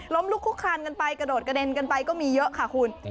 ลุกคุกคานกันไปกระโดดกระเด็นกันไปก็มีเยอะค่ะคุณ